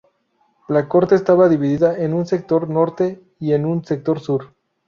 La corte estaba dividida en un sector norte y en un sector sur.